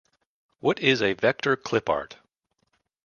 What is a vector clipart?